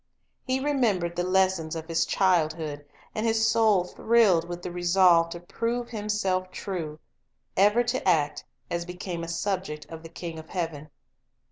He remembered the lessons of his childhood, and his soul thrilled with the resolve to prove himself true, — ever to act as be came a subject of the King of heaven.